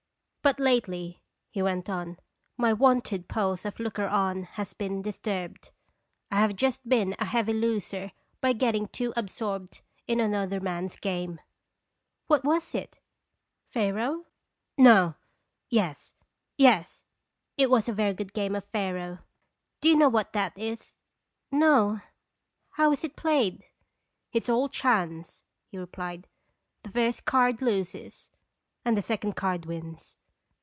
"But lately," he went on, "my wonted pose of looker on has been disturbed. I have just been a heavy loser by getting too absorbed in another man's game." "What was it? Faro?" " No yes yes, it was a very good game of faro. Do you know what that is?" "No. How is it played?" "It is all chance," he replied; "the first card loses, and the second card wins."